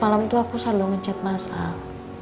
malam itu aku selalu ngechat mas al